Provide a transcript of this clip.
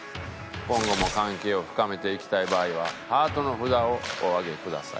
今後も関係を深めていきたい場合はハートの札をお上げください。